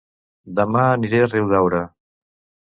Dema aniré a Riudaura